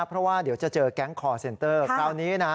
เพราะว่าเดี๋ยวจะเจอแก๊งคอร์เซ็นเตอร์คราวนี้นะ